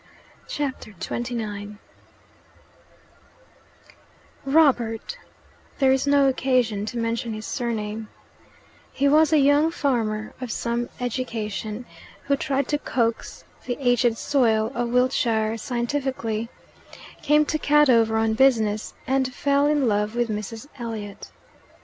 PART 3 WILTSHIRE XXIX Robert there is no occasion to mention his surname: he was a young farmer of some education who tried to coax the aged soil of Wiltshire scientifically came to Cadover on business and fell in love with Mrs. Elliot.